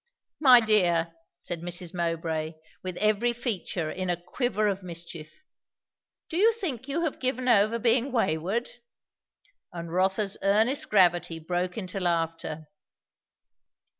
"My dear," said Mrs. Mowbray, with every feature in a quiver of mischief, "do you think you have given over being wayward?" And Rotha's earnest gravity broke into laughter.